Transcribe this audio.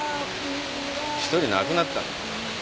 １人亡くなったんだ。